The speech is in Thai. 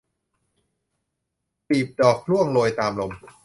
กลีบดอกร่วงโรยตามลม